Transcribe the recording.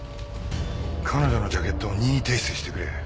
彼女のジャケットを任意提出してくれ。